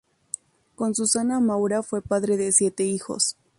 Con Susana Maura fue padre de siete hijos.